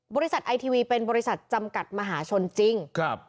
ไอทีวีเป็นบริษัทจำกัดมหาชนจริง